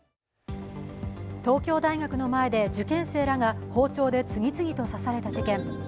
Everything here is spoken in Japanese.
東京大学の前で受験生らが包丁で次々と刺された事件。